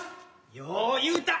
よう言うた。